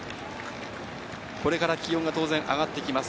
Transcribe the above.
これから気温が当然、上がってきます。